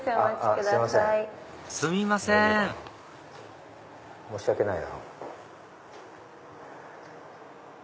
すみません申し訳ないなぁ。